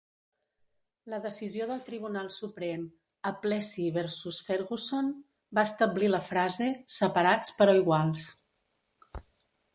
La decisió del Tribunal Suprem a "Plessy versus Ferguson" va establir la frase "separats però iguals".